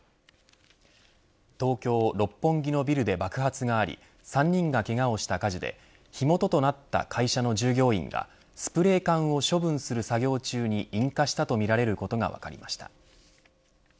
東京、六本木のビルで爆発があり３人がけがをした火事で火元となった会社の従業員がスプレー缶を処分する作業中に引火したとみられることが分かりました。